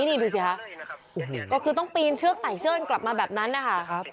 นี่ดูสิคะก็คือต้องปีนเชือกไต่เชือนกลับมาแบบนั้นนะคะ